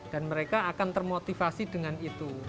dan mereka akan termotivasi dengan itu